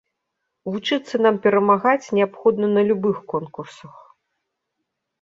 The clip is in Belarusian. Вучыцца нам перамагаць неабходна на любых конкурсах.